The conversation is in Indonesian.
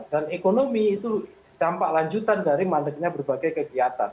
dan ekonomi itu dampak lanjutan dari manegnya berbagai kegiatan